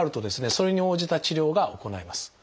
それに応じた治療が行えます。